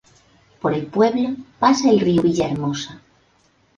Por el pueblo pasa el río Villahermosa.